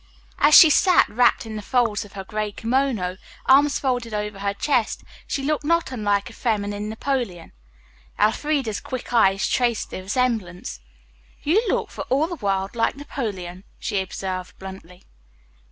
As she sat wrapped in the folds of her gray kimono, arms folded over her chest, she looked not unlike a feminine Napoleon. Elfreda's quick eyes traced the resemblance. "You look for all the world like Napoleon," she observed bluntly.